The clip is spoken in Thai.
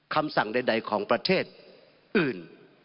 คำสั่งใดของประเทศอื่น